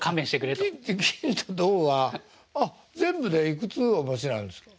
あっ全部でいくつお持ちなんですか？